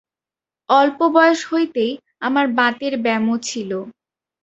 অল্প বয়স হইতেই আমার বাতের ব্যামো ছিল।